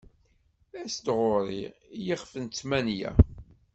As-d ɣur-i ɣef ttmenya.